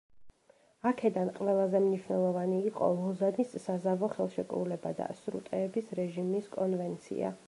აქედან ყველაზე მნიშვნელოვანი იყო ლოზანის საზავო ხელშეკრულება და სრუტეების რეჟიმის კონვენცია.